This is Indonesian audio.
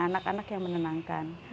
anak anak yang menenangkan